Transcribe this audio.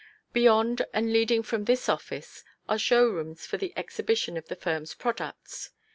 Beyond and leading from this office are show rooms for the exhibition of the firm's products.